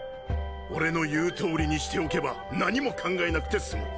俺の言うとおりにしておけば何も考えなくて済む。